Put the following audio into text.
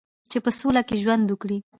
چې په سوله کې ژوند وکړي.